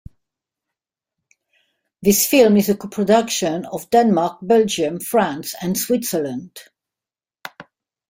The film is a co-production of Denmark, Belgium, France, and Switzerland.